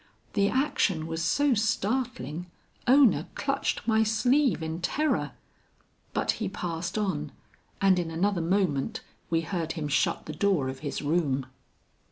The action was so startling, Ona clutched my sleeve in terror, but he passed on and in another moment we heard him shut the door of his room.